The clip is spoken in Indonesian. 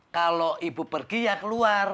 kalau ibu pergi ya keluar